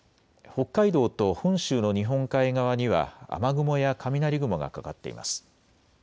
北海道と本州の日本海側には雨雲や雷雲がかかっています。